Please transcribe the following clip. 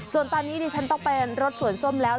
ส่วนตอนนี้ดิฉันต้องไปรถสวนส้มแล้ว